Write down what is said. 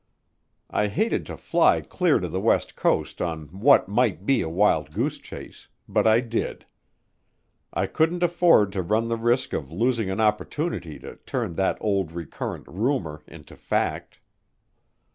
I hated to fly clear to the west coast on what might be a wild goose chase, but I did. I couldn't afford to run the risk of losing an opportunity to turn that old recurrent rumor into fact.